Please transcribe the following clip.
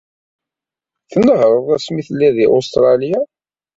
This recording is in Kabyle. Tnehreḍ ass mi telliḍ deg Ustralya?